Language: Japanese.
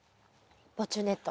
防虫ネット。